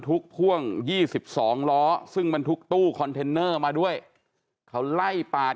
พ่วง๒๒ล้อซึ่งบรรทุกตู้คอนเทนเนอร์มาด้วยเขาไล่ปาด